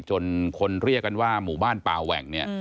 จนคนเรียกกันว่าหมู่บ้านป่าแหว่งเนี่ย